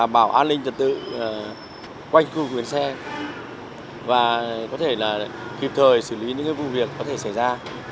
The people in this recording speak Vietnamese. bảo an ninh trật tự quanh khu vườn xe và có thể là kịp thời xử lý những vụ việc có thể xảy ra